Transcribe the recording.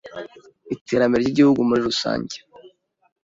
iterambere ry’igihugu muri rusange